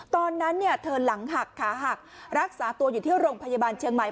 ตอนนั้นเธอหลังหักขาหักรักษาตัวอยู่ที่โรงพยาบาลเชียงใหม่